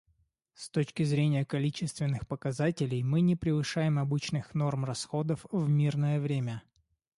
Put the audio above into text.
С точки зрения количественных показателей мы не превышаем обычных норм расходов в мирное время.